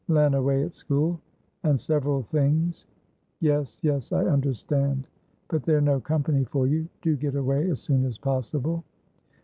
Len away at schooland several things" "Yes, yes, I understand. But they're no company for you. Do get away as soon as possible."